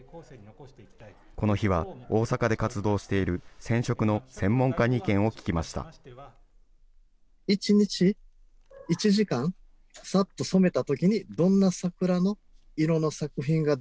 この日は、大阪で活動している染色の専門家に意見を聞きました。